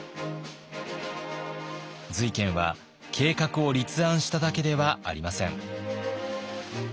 瑞賢は計画を立案しただけではありません。